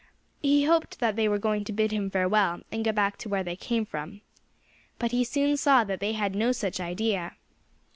He hoped that they were going to bid him farewell and go back where they came from. But he soon saw that they had no such idea.